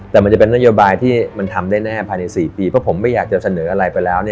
แต่มันจะเป็นนโยบายที่มันทำได้แน่ภายใน๔ปีเพราะผมไม่อยากจะเสนออะไรไปแล้ว